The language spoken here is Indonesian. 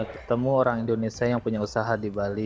ketemu orang indonesia yang punya usaha di bali